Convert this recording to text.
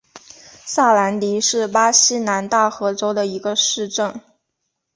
萨兰迪是巴西南大河州的一个市镇。